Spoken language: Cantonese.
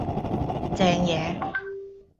正野